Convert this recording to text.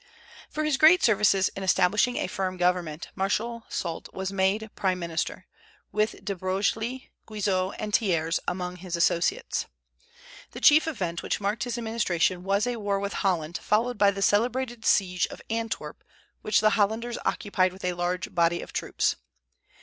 For his great services in establishing a firm government Marshal Soult was made prime minister, with De Broglie, Guizot, and Thiers among his associates. The chief event which marked his administration was a war with Holland, followed by the celebrated siege of Antwerp, which the Hollanders occupied with a large body of troops.